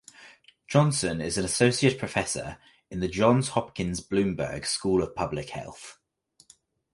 Johnson is an associate professor in the Johns Hopkins Bloomberg School of Public Health.